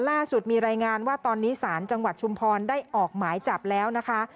ล่าสุดมีรายงานว่าตอนนี้ศาลจังหวัดชุมพรได้ออกหมายจับแล้วนะคะ